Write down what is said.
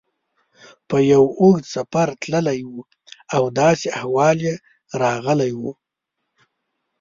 په یو اوږد سفر تللی و او داسې احوال یې راغلی و.